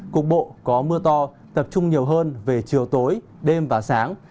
cục bộ có mưa to tập trung nhiều hơn về chiều tối đêm và sáng